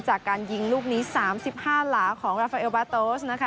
จากการยิงลูกนี้๓๕หลาของราฟาเอลบาโตสนะคะ